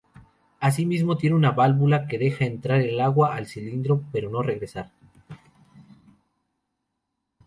Asimismo, tiene una válvula que deja entrar el agua al cilindro, pero no regresar.